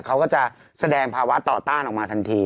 เขาก็จะแสดงภาวะต่อต้านออกมาทันที